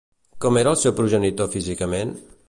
Com era el seu progenitor físicament?